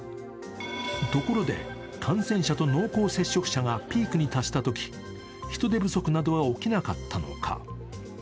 ところで、感染者と濃厚接触者がピークに達したとき人手不足などは起きなかったのか。